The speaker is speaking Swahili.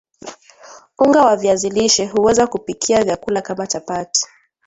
unga wa viazi lishe huweza kupikia vyakula kama chapati